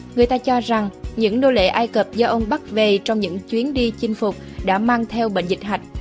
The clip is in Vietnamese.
người ta cho rằng những nô lệ ai cập do ông bắt về trong những chuyến đi chinh phục đã mang theo bệnh dịch hạch